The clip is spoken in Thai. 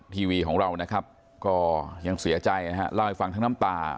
ทีวีของเรานะครับก็ยังเสียใจนะฮะเล่าให้ฟังทั้งน้ำตา